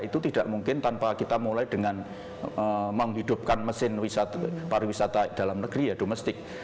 itu tidak mungkin tanpa kita mulai dengan menghidupkan mesin pariwisata dalam negeri ya domestik